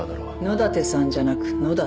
「野立さん」じゃなく野立。